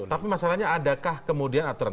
tapi masalahnya adakah kemudian aturan